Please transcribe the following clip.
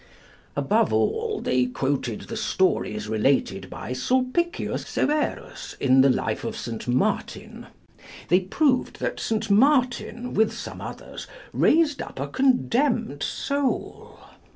Above all, they quoted the stories related by Sulpicius Severus, in the life of St. Martin. They proved that St. Martin, with some others, raised up a condemned soul.